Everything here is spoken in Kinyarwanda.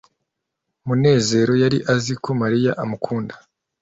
munezero yari azi ko mariya amukunda